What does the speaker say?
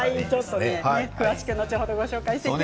詳しく後ほどお伝えします。